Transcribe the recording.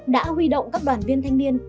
đã huy động các đoàn viên thanh niên